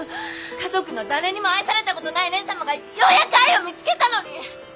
家族の誰にも愛された事ない蓮様がようやく愛を見つけたのに！